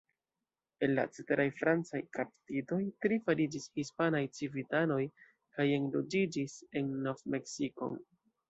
El la ceteraj francaj kaptitoj, tri fariĝis hispanaj civitanoj kaj enloĝiĝis en Nov-Meksikon.